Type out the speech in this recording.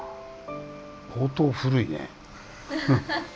相当古いね。